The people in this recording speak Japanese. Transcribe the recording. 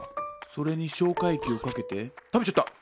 それに消化液をかけて食べちゃった。